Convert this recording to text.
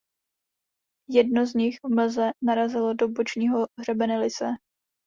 Jedno z nich v mlze narazilo do bočního hřebene Lysé.